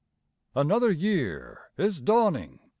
Another year is dawning!